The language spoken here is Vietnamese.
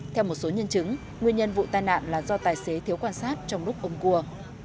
theo một số nhân chứng nguyên nhân vụ tai nạn là do tài xế thiếu quan sát trong lúc ôm cua